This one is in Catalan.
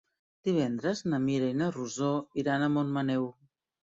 Divendres na Mira i na Rosó iran a Montmaneu.